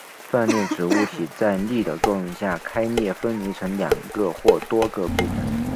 断裂指物体在力的作用下开裂分离成两个或多个部分。